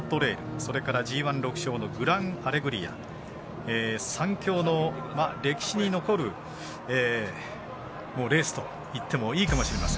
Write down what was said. それからＧＩ、６勝のグランアレグリア３強の歴史に残るレースといってもいいかもしれません。